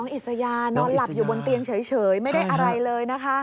อิสยานอนหลับอยู่บนเตียงเฉยไม่ได้อะไรเลยนะคะ